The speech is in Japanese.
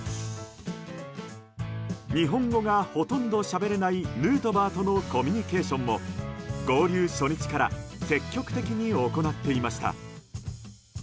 日本語がほとんどしゃべれないヌートバーとのコミュニケーションも合流初日から積極的に行っていました。